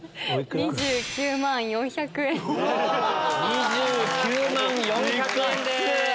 ２９万４００円です。